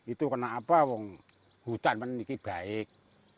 itu kenapa wong hutan ini baik